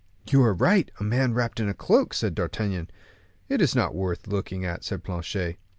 "You are right; a man wrapped in a cloak," said D'Artagnan. "It's not worth looking at," said Planchet.